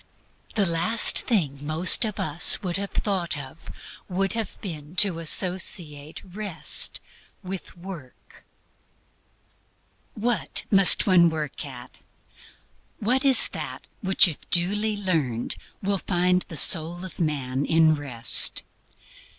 The last thing most of us would have thought of would have been to associate Rest with Work. What must one work at? What is that which if duly learned will find the soul of man in Rest?